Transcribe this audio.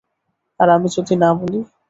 আর আমি যদি না বলি?